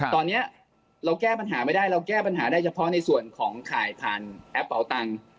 ตอนนี้เราแก้ปัญหาไม่ได้เราแก้ปัญหาได้เฉพาะในส่วนของขายผ่านแอปเป่าตังค์